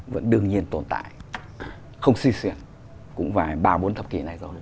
vẫn đương nhiên tồn tại không suy xuyên cũng vài ba bốn thập kỷ này rồi